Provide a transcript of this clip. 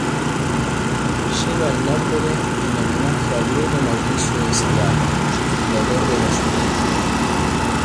Lleva el nombre en homenaje a Bruno Mauricio de Zabala, fundador de la ciudad.